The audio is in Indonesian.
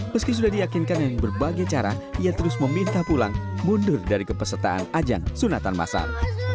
meski sudah diyakinkan dengan berbagai cara ia terus meminta pulang mundur dari kepesertaan ajang sunatan masal